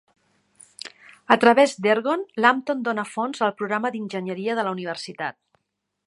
A través d'Ergon, Lampton dóna fons al programa d'enginyeria de la universitat.